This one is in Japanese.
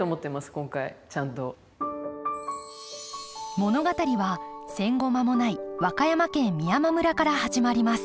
物語は戦後間もない和歌山県美山村から始まります。